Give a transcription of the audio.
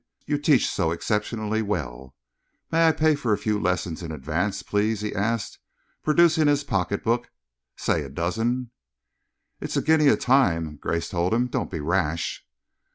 "You teach so exceptionally well. May I pay for a few lessons in advance, please," he asked, producing his pocketbook; "say a dozen?" "It's a guinea a time," Grace told him. "Don't be rash."